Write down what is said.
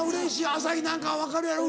朝日なんかは分かるやろ？